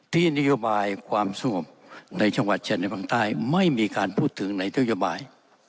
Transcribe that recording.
นโยบายความสงบในจังหวัดชายในบังใต้ไม่มีการพูดถึงในนโยบาย